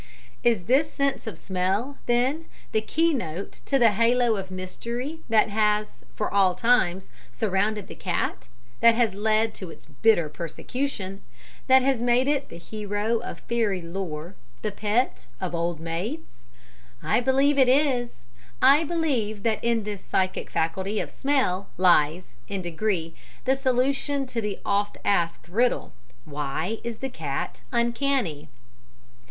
Is this sense of smell, then, the keynote to the halo of mystery that has for all times surrounded the cat that has led to its bitter persecution that has made it the hero of fairy lore, the pet of old maids? I believe it is I believe that in this psychic faculty of smell lies, in degree, the solution to the oft asked riddle why is the cat uncanny?